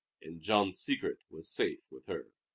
And Jean's secret was safe with her.